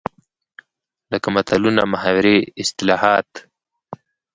لکه متلونه، محاورې ،اصطلاحات